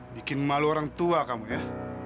bikin malu orang tua kamu ya